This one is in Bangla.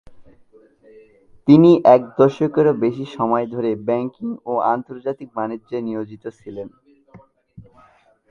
তিনি এক দশকেরও বেশি সময় ধরে ব্যাংকিং ও আন্তর্জাতিক বাণিজ্যে নিয়োজিত ছিলেন।